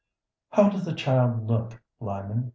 "How does the child look, Lyman?"